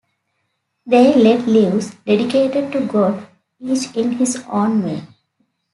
They led lives dedicated to God, each in his own way.